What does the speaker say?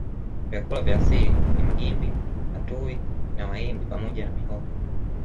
Vyakula vya asili ni magimbi matuwi na mahimbi pamoja na mihogo